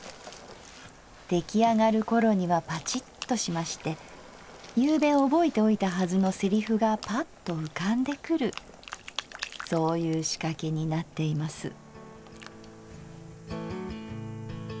できあがるころにはパチッとしまして昨夕覚えておいたはずのセリフがぱっと浮かんでくるそういうしかけになっています」。